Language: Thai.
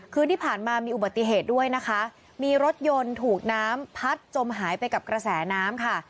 คืนที่ผ่านมามีอุบัติเหตุด้วยนะคะมีรถยนต์ถูกน้ำพัดจมหายไปกับกระแสน้ำค่ะ